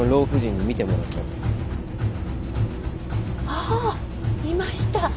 ああいました。